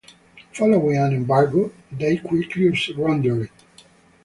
Following an embargo, they quickly surrendered.